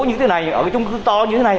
như thế này ở cái trung cư to như thế này